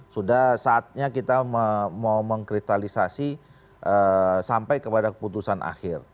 sudah saatnya kita mau mengkristalisasi sampai kepada keputusan akhir